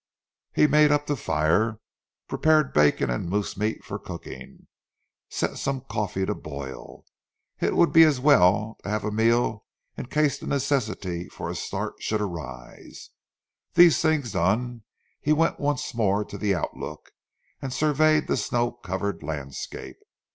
He made up the fire, prepared bacon and moose meat for cooking, set some coffee to boil. It would be as well to have a meal in case the necessity for a start should arise. These things done he went once more to the outlook, and surveyed the snow covered landscape.